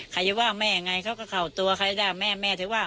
ใครจะว่าแม่ไงเขาก็เข้าตัวใครว่าแม่แม่ถือว่า